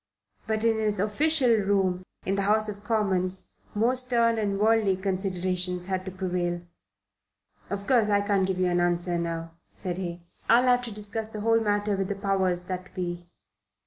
But in his official room in the House of Commons more stern and worldly considerations had to prevail. "Of course I can't give you an answer now," said he. "I'll have to discuss the whole matter with the powers that be.